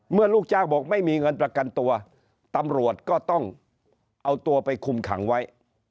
ลูกจ้างบอกไม่มีเงินประกันตัวตำรวจก็ต้องเอาตัวไปคุมขังไว้